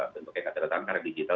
sebagai kata datang karena digital